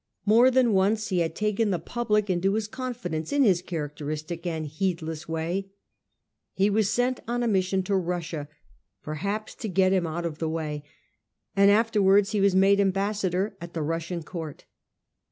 More than once he had taken the public into his confidence in his characteristic and heedless way. He was sent on a mission to Russia, perhaps to get him out of the way, and afterwards he was made ambassador at the Russian court.